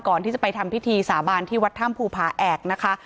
ก่อนที่จะไปทำพิธีสาบานที่วัดถ้ำภูผาแอกนะคะ